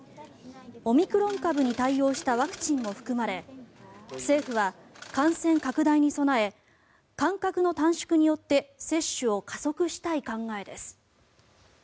オミクロン株に対応したワクチンも含まれ政府は感染拡大に備え間隔の短縮によって接種を加速したい考えです。